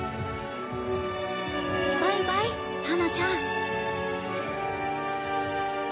バイバイハナちゃん。